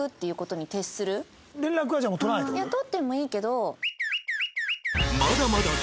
いや取ってもいいけど。